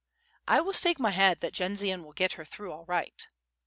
"I will stake my head that Jendzian will get her through all right."